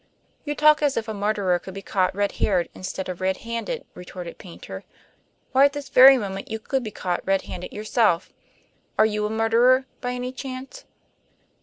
"You talk as if a murderer could be caught red haired instead of red handed," retorted Paynter. "Why, at this very minute, you could be caught red haired yourself. Are you a murderer, by any chance?"